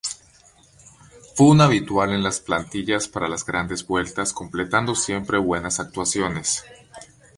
Fue un habitual en las plantillas para las grandes vueltas completando siempre buenas actuaciones.